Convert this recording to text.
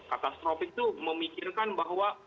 katastrofik itu memikirkan bahwa